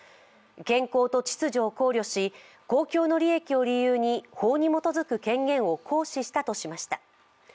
健康と秩序を考慮し、公共の利益を理由に法に基づく権限を行使したとしました。